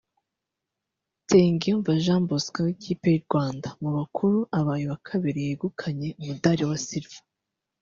Nsengiyumva Jean Bosco w’ikipe y’u Rwanda mu bakuru abaye uwa kabiri yegukana umudari wa Silver